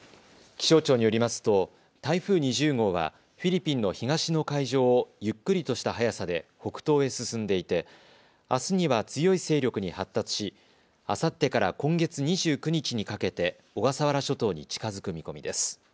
気象庁によりますと台風２０号はフィリピンの東の海上をゆっくりとした速さで北東へ進んでいてあすには強い勢力に発達しあさってから今月２９日にかけて小笠原諸島に近づく見込みです。